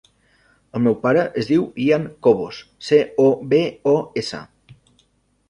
El meu pare es diu Ian Cobos: ce, o, be, o, essa.